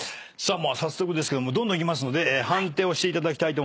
早速ですがどんどんいきますので判定をしていただきたいと。